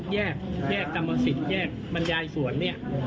แยกกรรมสิทธิ์แยกบรรยายสวน